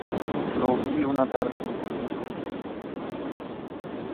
Lo vi una tarde.